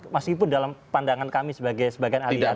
meskipun dalam pandangan kami sebagai sebagian alih atn